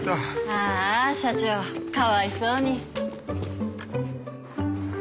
ああ社長かわいそうに。